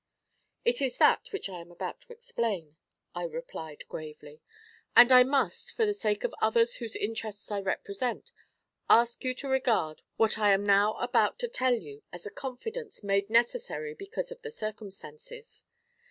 'It is that which I am about to explain,' I replied gravely. 'And I must, for the sake of others whose interests I represent, ask you to regard what I am now about to tell you as a confidence made necessary because of the circumstances.